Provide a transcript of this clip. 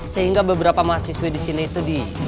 sehingga beberapa mahasiswa disini itu di